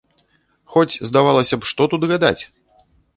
Хоць, здавалася б, што тут гадаць?